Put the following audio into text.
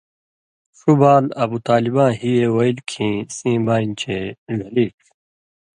ݜُو بال ابوطالباں ہی اے وَیلیۡ کھیں سیں بانیۡ چے ڙھلیچ